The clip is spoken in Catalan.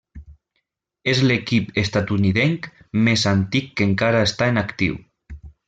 És l'equip estatunidenc més antic que encara està en actiu.